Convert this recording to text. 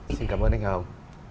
xin cảm ơn anh hồng